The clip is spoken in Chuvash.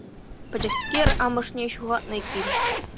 Пӗчӗкскер амӑшне ҫухатнӑ иккен.